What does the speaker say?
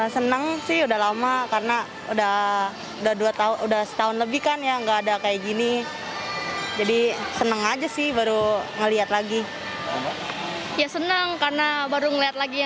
senang sih melihat kayak gini lagi